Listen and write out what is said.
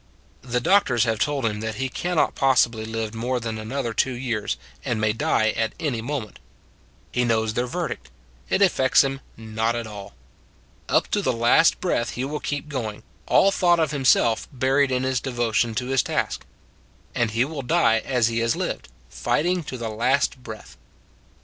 The doctors have told him that he can not possibly live more than another two years, and may die at any moment. He knows their verdict: it affects him not at all. Up to the last breath he will keep going, all thought of himself buried in his devotion to his task; and he will die as he has lived, fighting to the last breath.